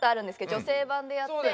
女性版でやって。